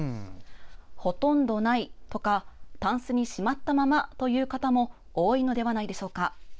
ほとんどないとかたんすにしまったままという方も多いのではないでしょうか？